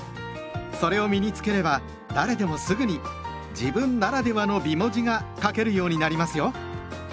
それを身に付ければ誰でもすぐに「自分ならではの美文字」が書けるようになりますよ。